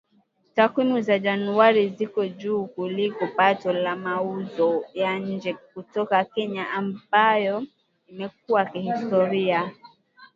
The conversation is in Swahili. Takwimu za Januari ziko juu kuliko pato la mauzo ya nje kutoka Kenya ambayo imekuwa kihistoria